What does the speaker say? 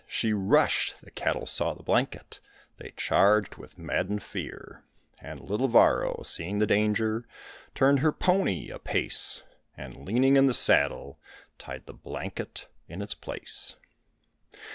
She rushed; the cattle saw the blanket, they charged with maddened fear. And little Varro, seeing the danger, turned her pony a pace And leaning in the saddle, tied the blanket in its place.